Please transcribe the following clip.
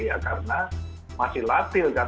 ya karena masih latil kan